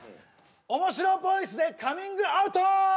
面白ボイスでカミングアウト！